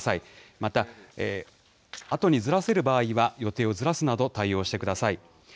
また、あとにずらせる場合は予定をずらすなど、対応してください。